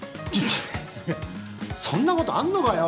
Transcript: ちょいやそんなことあんのかよ。